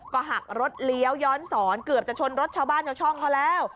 ก็หักรถเลี้ยวย้อนสอนเกือบจะชนรถชาวบ้านชาวช่องเขาแล้ว